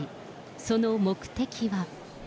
その目的は。